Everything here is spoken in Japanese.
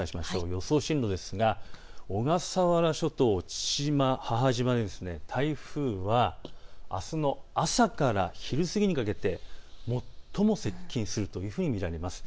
予想進路ですが小笠原諸島、父島、母島、台風は、あすの朝から昼過ぎにかけて、最も接近するというふうに見られます。